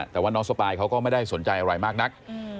แต่ว่าน้องสปายเขาก็ไม่ได้สนใจอะไรมากนัก